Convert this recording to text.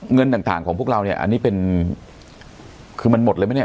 เงินต่างของพวกเราเนี่ยอันนี้เป็นคือมันหมดเลยไหมเนี่ย